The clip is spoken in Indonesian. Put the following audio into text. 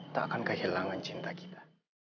tak akan kehilangan cinta kita